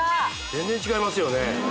全然違いますよね